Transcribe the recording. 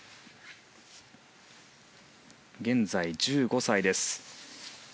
現在１５歳です。